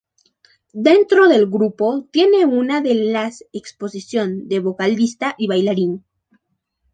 Dentro del grupo tiene una de las posición de vocalista y bailarín.